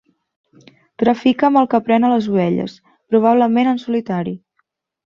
Trafica amb el que pren a les ovelles, probablement en solitari.